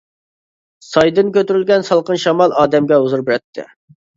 سايدىن كۆتۈرۈلگەن سالقىن شامال ئادەمگە ھۇزۇر بېرەتتى.